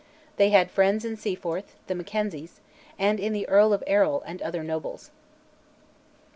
They had friends in Seaforth, the Mackenzies, and in the Earl of Errol and other nobles.